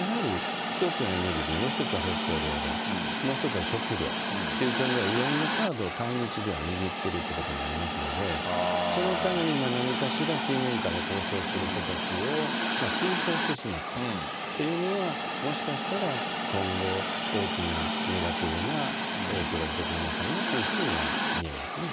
やはり１つはエネルギー、もう一つは北方領土、もう一つは食料という点ではいろんなカードを対日では握ってるということもありますので、そのために今、何かしら水面下で交渉する人たちを追放してしまったというのは、もしかしたら、今後、大きなネガティブな影響が出てくるのかなというふうには見えますね。